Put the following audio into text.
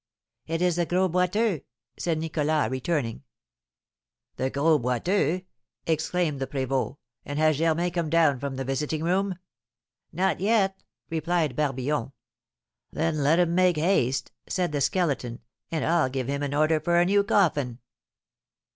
"It is the Gros Boiteux," said Nicholas, returning. "The Gros Boiteux!" exclaimed the prévôt. "And has Germain come down from the visiting room?" "Not yet," replied Barbillon. "Then let him make haste," said the Skeleton, "and I'll give him an order for a new coffin."